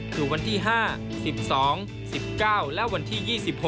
คือวันที่๕๑๒๑๙และวันที่๒๖